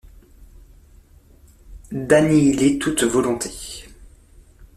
D’annihiler toute volonté.